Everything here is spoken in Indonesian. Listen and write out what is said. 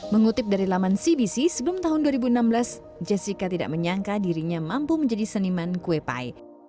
mengutip dari laman cbc sebelum tahun dua ribu enam belas jessica tidak menyangka dirinya mampu menjadi seniman kue pae